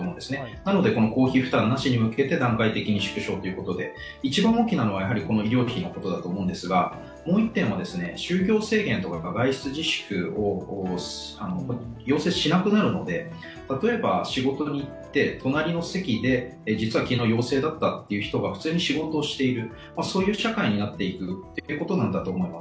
なので、公費負担に向けて段階的に縮小ということで一番大きなのは医療費のことだと思うんですが、もう１点は、就業制限とか外出自粛を要請しなくなるので、例えば仕事に行って隣の席で実は昨日、陽性だったという人が普通に仕事をしている、そういう社会になっていくことなんだと思います。